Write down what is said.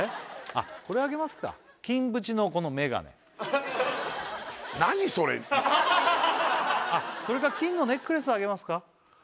あっこれあげますかあっそれか金のネックレスあげますか